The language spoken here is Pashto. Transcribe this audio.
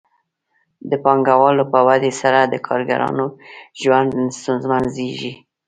د پانګوال په ودې سره د کارګرانو ژوند ستونزمنېږي